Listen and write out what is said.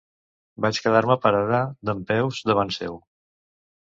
Vaig quedar-me parada, dempeus davant seu.